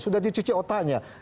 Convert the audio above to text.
sudah dicuci otaknya